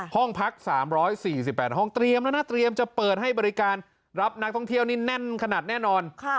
ห้องพัก๓๔๘ห้องเตรียมแล้วนะเตรียมจะเปิดให้บริการรับนักท่องเที่ยวนี่แน่นขนาดแน่นอน